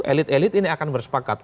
elit elit ini akan bersepakat